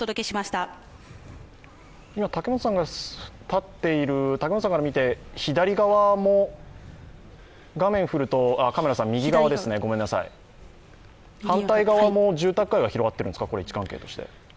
竹本さんが立っている、竹本さんから見て右側も反対側も住宅街が広がっているんですか？